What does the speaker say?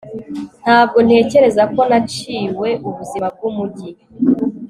ntabwo ntekereza ko naciwe ubuzima bwumujyi